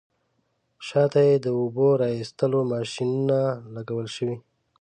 شاته یې د اوبو را ایستلو ماشینونه لګول شوي.